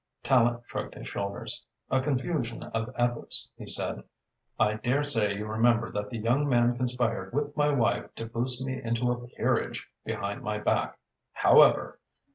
Tallente shrugged his shoulders. "A confusion of ethics," he said. "I dare say you remember that the young man conspired with my wife to boost me into a peerage behind my back However!